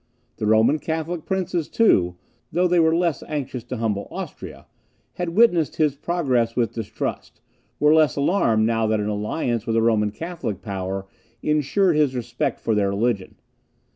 The Roman Catholic princes too, who, though they were anxious to humble Austria, had witnessed his progress with distrust, were less alarmed now that an alliance with a Roman Catholic power ensured his respect for their religion.